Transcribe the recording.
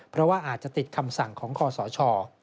เพราะว่าอาจจะติดคำสั่งของคอสช